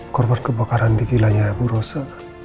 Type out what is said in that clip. korban kebakaran di vilanya abu rossa